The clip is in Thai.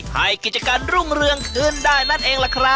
ให้กิจการรุ่งเรืองขึ้นได้นั่นเองล่ะครับ